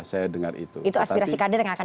saya dengar itu itu aspirasi kader yang akan